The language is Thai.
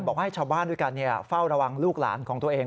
บอกว่าให้ชาวบ้านด้วยกันเฝ้าระวังลูกหลานของตัวเอง